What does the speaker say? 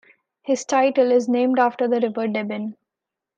His title is named after the River Deben.